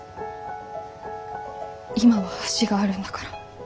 今は橋があるんだから。